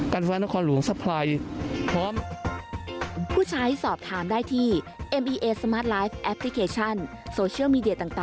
การฟ้านครหลวงสะพรายพร้อม